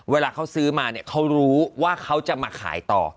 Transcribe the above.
เวลาเขาซื้อมาเนี่ยเขารู้ว่าเขาจะมาขายต่อ